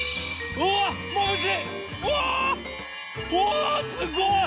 うわすごい！